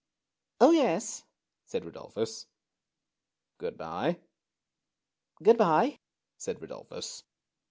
" Oh, yes," said Rudolphus. " Good by." " Good by," said Rudolphus.